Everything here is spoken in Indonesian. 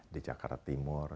di jakarta timur